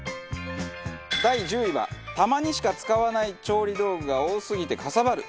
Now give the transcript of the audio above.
第１０位はたまにしか使わない調理道具が多すぎてかさばる。